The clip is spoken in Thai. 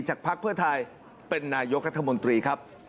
พักเพื่อไทยเป็นนายกรัฐมนตรีครับ